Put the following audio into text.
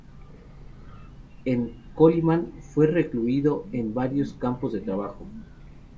En Kolymá fue recluido en varios campos de trabajo.